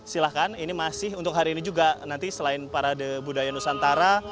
silakan ini masih untuk hari ini juga nanti selain para debudaya nusantara